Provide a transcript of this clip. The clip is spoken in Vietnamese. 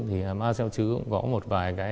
thì má sẹo trứ cũng có một vài